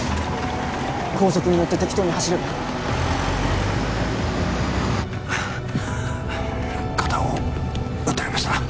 高速に乗って適当に走ればいい肩を撃たれました